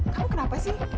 kamu kenapa sih